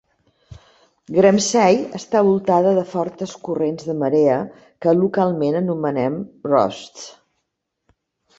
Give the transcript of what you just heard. Graemsay està envoltada de fortes corrents de marea, que localment anomenen "roosts".